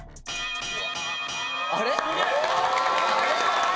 あれ？